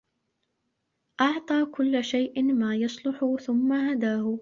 أَعْطَى كُلَّ شَيْءٍ مَا يَصْلُحُ ثُمَّ هَدَاهُ